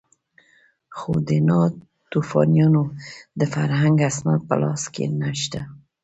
خو د ناتوفیانو د فرهنګ اسناد په لاس کې نه شته.